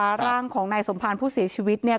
แล้วก็ร่างของในสมภารผู้เสียชีวิตเนี่ย